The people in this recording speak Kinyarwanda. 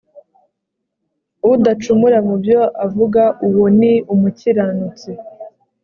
udacumura mu byo avuga uwo ni umukiranutsi